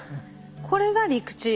これが陸地。